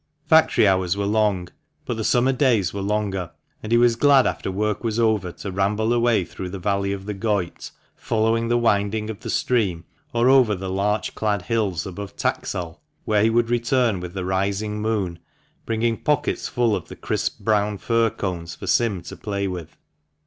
Factory hours were long, but the summer days were longer, and he was glad after work was over to ramble away through the valley of the Goyt, following the winding of the stream, or over the larch clad hills above Taxal, whence he would return with the rising moon, bringing pockets full of the crisp brown fir cones for Sim to play with.